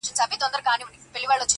هم یې پښې هم یې لاسونه رېږېدله.!